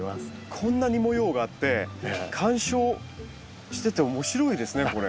こんなに模様があって鑑賞してて面白いですねこれ。